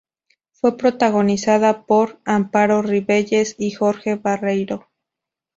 Fue protagonizada por Amparo Rivelles y Jorge Barreiro.